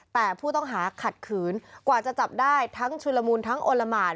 แต่ผู้ต้องหาขัดขืนกว่าจะจับได้ทั้งชุลมูลทั้งโอละหมาน